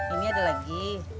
ini ada lagi